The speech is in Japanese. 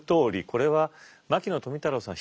これは牧野富太郎さん